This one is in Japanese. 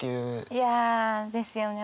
いやですよね。